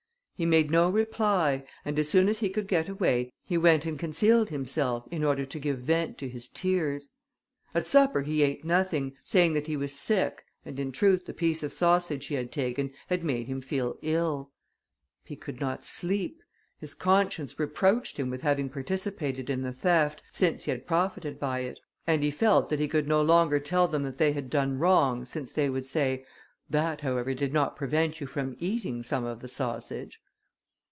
He made no reply, and as soon as he could get away, he went and concealed himself, in order to give vent to his tears. At supper he ate nothing, saying that he was sick, and in truth the piece of sausage he had taken, had made him feel ill. He could not sleep; his conscience reproached him with having participated in the theft, since he had profited by it, and he felt that he could no longer tell them that they had done wrong, since they would say, "That, however, did not prevent you from eating some of the sausage."